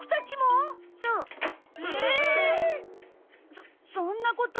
そそんなこと。